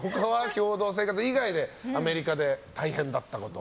共同生活以外でアメリカで大変だったことは？